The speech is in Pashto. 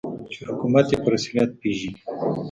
چې حکومت یې په رسمیت پېژني.